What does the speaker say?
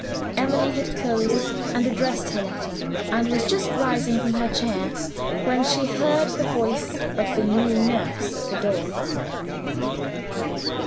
Emily had closed and addressed her letter, and was just rising from her chair, when she heard the voice of the new nurse at the door.